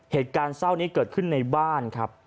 เหตุการณ์เศร้านี้เกิดขึ้นในบ้านครับ